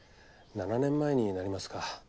７年前になりますか。